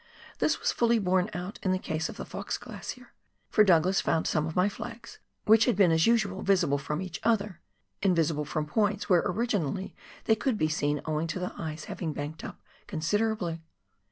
This was fidly borne out in the case of the Fox Glacier, for Douglas found some of my flags — which had been, as usual, visible from each other — invisible from points where originally they could be seen owing to the ice having banked up considerably.